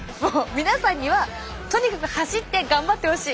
皆さんにはとにかく走って頑張ってほしい。